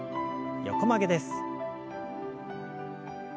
横曲げです。